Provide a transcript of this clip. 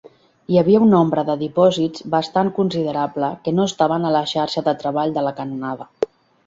Hi havia un nombre de dipòsits bastant considerable que no estaven a la xarxa de treball de la canonada.